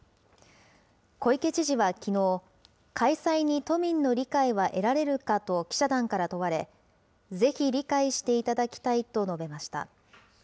小池知事はきのう、開催に都民の理解は得られるかと記者団から問われ、ぜひ理解していただきたいと述べました。